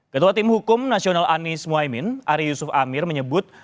ketua tim hukum nasional anies mohaimin ari yusuf amir menyebut